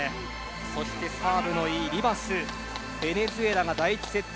そしてサーブのいいリバスベネズエラが第１セット